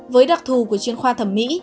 với đặc thù của chuyên khoa thẩm mỹ